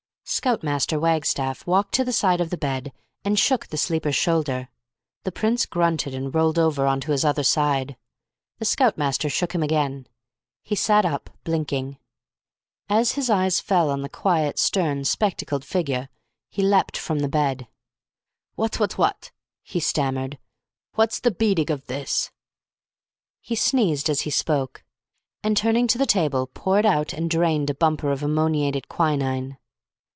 Scout Master Wagstaff walked to the side of the bed, and shook the sleeper's shoulder. The Prince grunted, and rolled over on to his other side. The Scout Master shook him again. He sat up, blinking. As his eyes fell on the quiet, stern, spectacled figure, he leaped from the bed. "What what what," he stammered. "What's the beadig of this?" He sneezed as he spoke, and, turning to the table, poured out and drained a bumper of ammoniated quinine.